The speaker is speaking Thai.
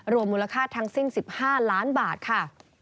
มูลค่าทั้งสิ้น๑๕ล้านบาทค่ะ